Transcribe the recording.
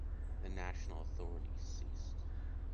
The national authorities ceased.